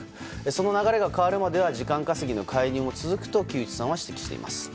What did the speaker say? その流れが変わるまでは時間稼ぎの介入が続くと木内さんは指摘しています。